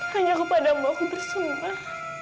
hanya kepadamu aku bersyukur